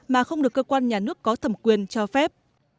mà không được cơ quan nhà nước có thẩm quyền cho phép